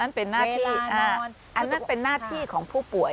เป็นหน้าที่อันนั้นเป็นหน้าที่ของผู้ป่วย